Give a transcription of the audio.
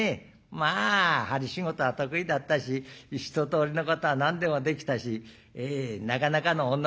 まあ針仕事は得意だったし一とおりのことは何でもできたしなかなかの女でございました」。